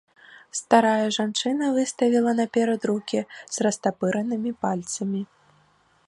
Старая жанчына выставіла наперад рукі з растапыранымі пальцамі.